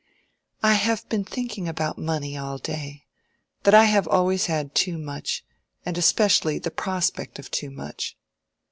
"I have been thinking about money all day—that I have always had too much, and especially the prospect of too much."